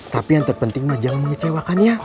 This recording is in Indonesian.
tapi yang terpenting mah jangan mengecewakan ya